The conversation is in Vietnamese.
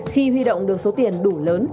khi huy động được số tiền đủ lớn